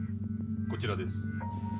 こちらです。